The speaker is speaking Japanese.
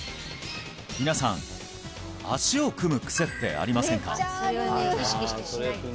皆さん足を組むクセってありませんか？